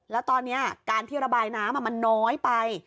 แล้วตอนนี้การที่ระบายน้ำมันน้อยไป